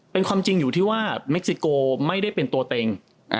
เป็นความจริงอยู่ที่ว่าเม็กซิโกไม่ได้เป็นตัวเต็ง